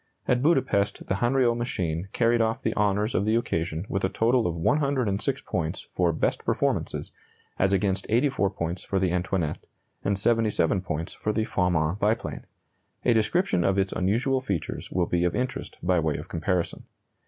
At Budapest the Hanriot machine carried off the honors of the occasion with a total of 106 points for "best performances," as against 84 points for the Antoinette, and 77 points for the Farman biplane. A description of its unusual features will be of interest by way of comparison.